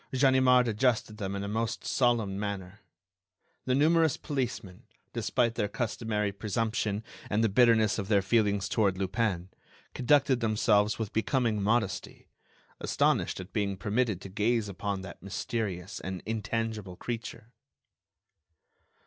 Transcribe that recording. Ganimard adjusted them in a most solemn manner. The numerous policemen, despite their customary presumption and the bitterness of their feelings toward Lupin, conducted themselves with becoming modesty, astonished at being permitted to gaze upon that mysterious and intangible creature.